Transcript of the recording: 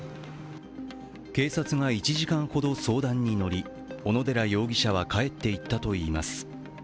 警察が１時間ほど相談にのり小野寺容疑者は帰っていったといいます。